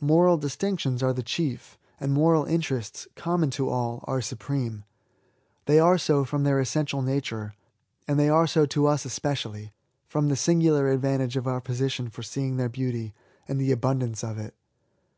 Moral distinctions are the chief; and moral interests, common to all, are supreme. They are so from their essential nature ; and they are so to us especially, from the singular advantage of our position for seeing their beauty, and the LIFE TO THE INVALID. 101 abundance of it.